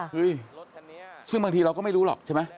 ซึ่งบางทีเราก็ไม่รู้หรอกใช่ไหม